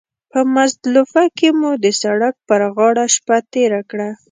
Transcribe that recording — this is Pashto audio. په مزدلفه کې مو د سړک پر غاړه شپه تېره کړه.